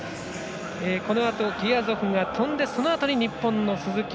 このあとギヤゾフが跳んでそのあとに日本の鈴木。